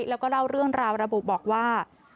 แล้วก็เล่าเรื่องราวระบุบอกว่า